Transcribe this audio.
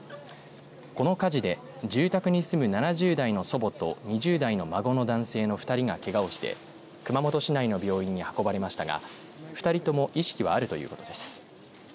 この火事で住宅に住む７０代の祖母と２０代の孫の男性の２人がけがをして熊本市内の病院に運ばれましたが２人とも意識はあるということです。